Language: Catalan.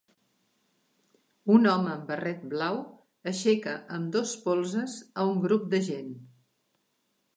Un home amb barret blau aixeca ambdós polzes a un grup de gent.